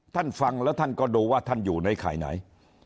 ฟังแล้วท่านก็ดูว่าท่านอยู่ในข่ายไหน